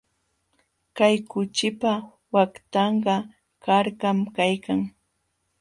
Kay kuchipa waqtan karkam kaykan.